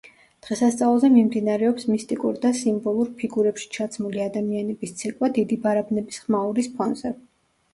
დღესასწაულზე მიმდინარეობს მისტიკურ და სიმბოლურ ფიგურებში ჩაცმული ადამიანების ცეკვა დიდი ბარაბნების ხმაურის ფონზე.